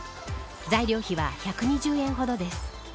材料費は１２０円ほどです。